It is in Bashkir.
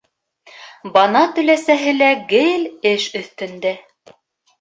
Банат өләсәһе лә гел эш өҫтөндә.